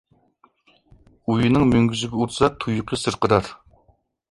ئۇينىڭ مۈڭگۈزىگە ئۇرسا، تۇيىقى سىرقىرار.